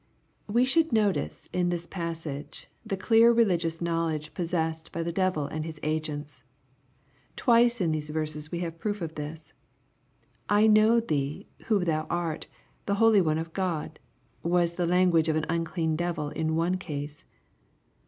We should notice, in this passage, the clear rdigioua knowledge possessed by the devil and his agents. Twice in these verses we have proof of this. " I know thee who thou art, the holy one of God,'' was the language of an unclean devil in one case.